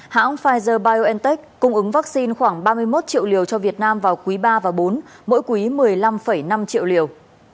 hãng pfizer biontech cung ứng vaccine khoảng ba mươi một triệu liều cho việt nam vào quý ba và bốn mỗi quý một mươi năm năm triệu liều